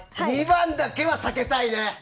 ２番だけは避けたいな。